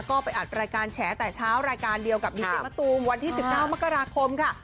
ก็ไปอัดรายการแฉแต่เช้ารายการเดียวกับดีเจมะตูมวันที่๑๙มกราคมค่ะ